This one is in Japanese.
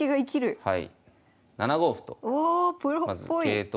はい。